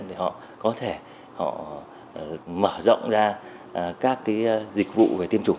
để họ có thể mở rộng ra các dịch vụ về tiêm chủng